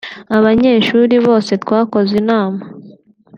Abanyeshuri bose twakoze inama